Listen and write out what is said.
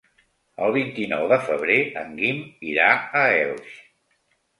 El vint-i-nou de febrer en Guim irà a Elx.